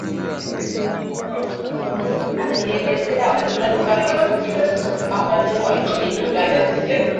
alielezea wasiwasi wake kuhusu kuteswa kwa wafungwa nchini Uganda